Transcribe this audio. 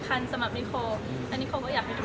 อย่างงี้ไม่ด้วย